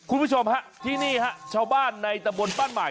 คุณผู้ชมฮะที่นี่ฮะชาวบ้านในตะบนบ้านใหม่